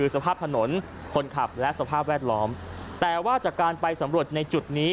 สภาพถนนคนขับและสภาพแวดล้อมแต่ว่าจากการไปสำรวจในจุดนี้